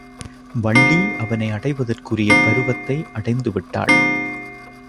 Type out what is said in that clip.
வள்ளி அவனை அடைவதற்குரிய பருவத்தை அடைந்து விட்டாள்.